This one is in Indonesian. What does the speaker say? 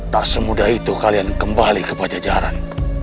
tak semudah itu kalian kembali ke pajajaran